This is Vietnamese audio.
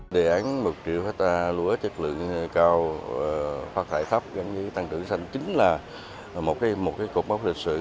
đề án một triệu hectare lúa chất lượng cao phát thải thấp gắn với tăng trưởng xanh chính là một cột mốc lịch sử